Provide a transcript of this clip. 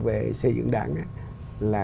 về xây dựng đảng là